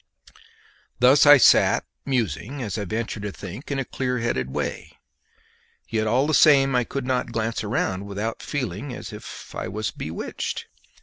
Thus I sat musing, as I venture to think, in a clearheaded way. Yet all the same I could not glance around without feeling as if I was bewitched.